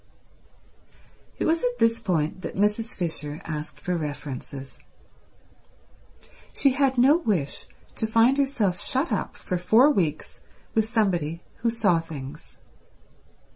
It was at this point that Mrs. Fisher asked for references. She had no wish to find herself shut up for four weeks with somebody who saw things.